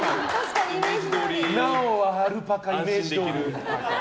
奈緒はアルパカイメージどおり！